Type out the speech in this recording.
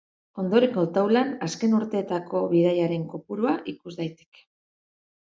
Ondorengo taulan azken urteetako bidaiarien kopurua ikus daiteke.